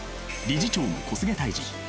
理事長の小菅泰治。